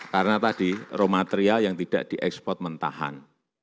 karena tadi raw material yang tidak diekspor mentahan